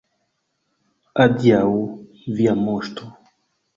Adiaŭ, via Moŝto.